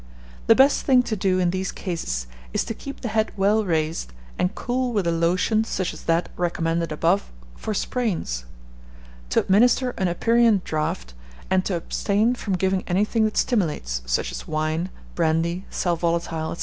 The best thing to do in these cases is to keep the head well raised, and cool with a lotion such as that recommended above for sprains; to administer an aperient draught, and to abstain from giving anything that stimulates, such as wine, brandy, sal volatile, &c.